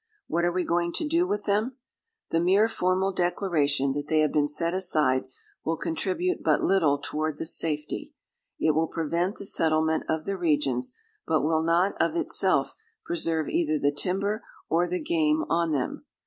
What are we going to do with them? The mere formal declaration that they have been set aside will contribute but little toward this safety. It will prevent the settlement of the regions, but will not of itself preserve either the timber or the game on them.